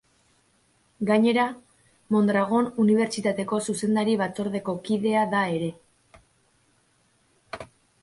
Gainera, Mondragon unibertsitateko zuzendari batzordeko kidea da ere.